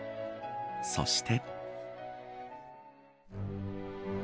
そして。